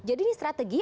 jadi ini strategi